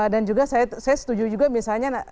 dan juga saya setuju juga misalnya